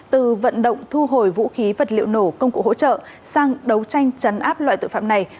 từ vận động thu hồi vũ khí vật liệu nổ công cụ hỗ trợ sang đấu tranh chấn áp loại tội phạm này